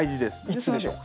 いつでしょう？